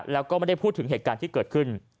แล้วก็ไม่ได้พูดถึงเหตุการณ์ที่เกิดขึ้น